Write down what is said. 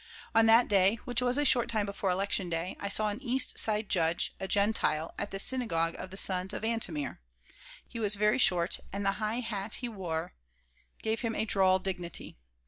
On that day, which was a short time before Election Day, I saw an East Side judge, a Gentile, at the synagogue of the Sons of Antomir. He was very short, and the high hat he wore gave him droll dignity.